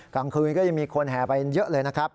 กลางคืนก็ยังมีคนแห่ไปเยอะเลยนะครับ